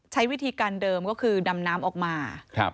ใช้วิธีการเดิมก็คือดำน้ำออกมา